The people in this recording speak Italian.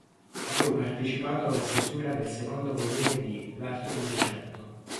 Ha poi partecipato alla stesura del secondo volume di "L'Altronovecento.